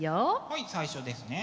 はい最初ですね。